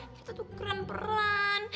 kita tuh keren peren